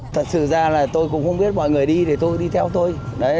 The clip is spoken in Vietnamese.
thật sự ra là tôi cũng không biết mọi người đi thì tôi đi theo tôi đấy